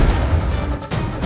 aku mau makan